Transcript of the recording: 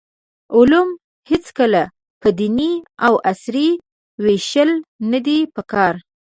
علوم هېڅکله په دیني او عصري ویشل ندي پکار.